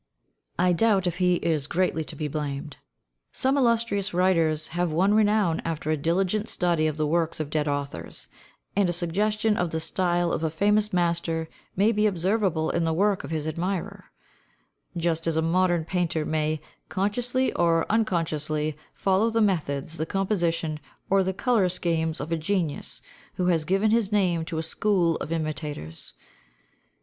I doubt if he is greatly to be blamed. Some illustrious writers have won renown after a diligent study of the works of dead authors, and a suggestion of the style of a famous master may be observable in the work of his admirer; just as a modern painter may, consciously or unconsciously, follow the methods, the composition, or the colour schemes of a genius who has given his name to a school of imitators.